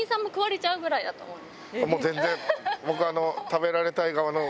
もう全然。